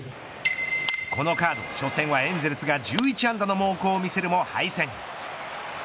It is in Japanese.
このカード初戦はエンゼルスが１１安打の猛攻を見せるも敗戦。